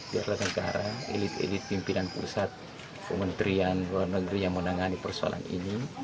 biarlah negara elit elit pimpinan pusat kementerian luar negeri yang menangani persoalan ini